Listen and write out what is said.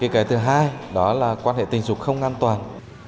cái thứ hai đó là quan hệ tình dục không an toàn